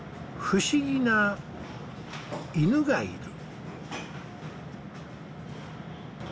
不思議な犬がいる。